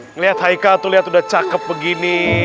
ngeliat haikal tuh udah cakep begini